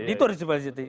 itu harus diversitasi